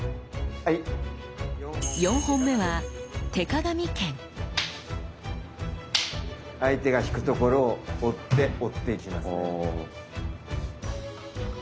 ４本目は相手が引くところを追って追っていきますね。